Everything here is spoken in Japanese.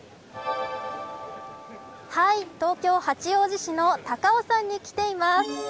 東京、八王子市の高尾山に来ています。